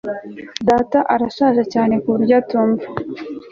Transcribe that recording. Data arashaje cyane kuburyo atumva